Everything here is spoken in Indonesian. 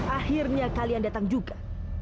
akhirnya kalian datang juga